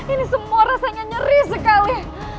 ini semua rasanya nyeri sekali